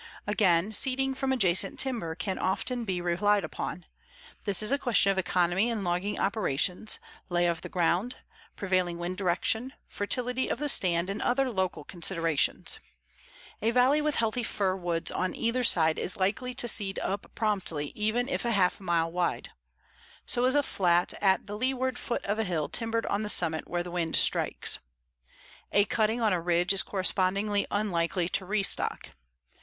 Again, seeding from adjacent timber can often be relied upon. This is a question of economy in logging operations, lay of the ground, prevailing wind direction, fertility of the stand and other local considerations. A valley with healthy fir woods on either side is likely to seed up promptly even if a half mile wide. So is a flat at the leeward foot of a hill timbered on the summit where the wind strikes. A cutting on a ridge is correspondingly unlikely to restock.